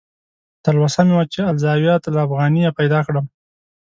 تلوسه مې وه چې "الزاویة الافغانیه" پیدا کړم.